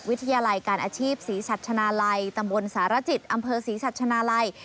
วิทยาลัยการอาชีพศรีสัชนาลัยตำบลสารจิตอำเภอศรีสัชนาลัย